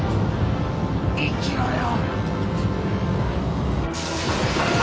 生きろよ